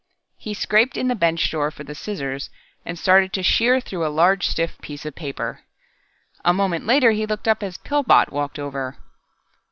He scraped in the bench drawer for the scissors, and started to sheer through a large stiff piece of paper. A moment later he looked up as Pillbot walked over.